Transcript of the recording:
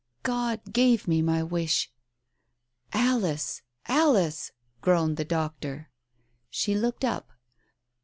God gave me my wish " "Alice ! Alice !" groaned the doctor. She looked up.